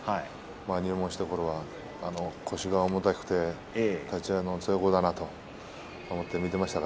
入門したころは腰が重たくて立ち合いの強い子だなと思って見ていました。